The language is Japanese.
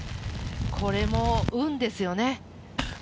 これも運ですよね。